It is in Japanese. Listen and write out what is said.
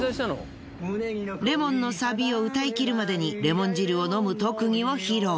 『Ｌｅｍｏｎ』のサビを歌いきるまでにレモン汁を飲む特技を披露。